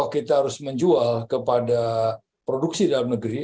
kita harus menjual kepada produksi dalam negeri